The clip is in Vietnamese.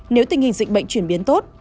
nếu tình hình dịch bệnh chuyển biến tốt